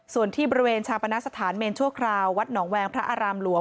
ส่วนที่บริเวณชาปณสถานเมนชั่วคราววัดหนองแวงพระอารามหลวง